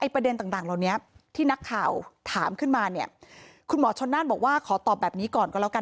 ประเด็นต่างเหล่านี้ที่นักข่าวถามขึ้นมาเนี่ยคุณหมอชนน่านบอกว่าขอตอบแบบนี้ก่อนก็แล้วกัน